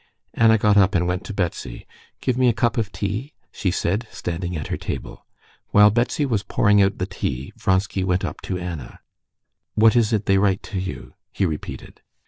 Anna got up and went to Betsy. "Give me a cup of tea," she said, standing at her table. While Betsy was pouring out the tea, Vronsky went up to Anna. "What is it they write to you?" he repeated.